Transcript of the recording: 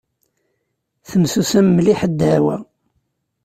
Temsumam mliḥ ddeɛwa.